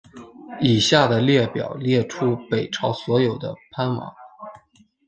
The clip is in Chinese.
以下的列表列出北朝所有的藩王。